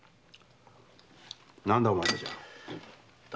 何だお前たちは。